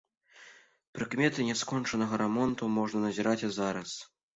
Прыкметы няскончанага рамонту можна назіраць і зараз.